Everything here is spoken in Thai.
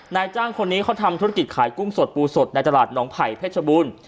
นายจ้างคนนี้เขาทำธุรกิจขายกุ้งสดปูสดในตลาดน้องไผ่เพชรบูรณ์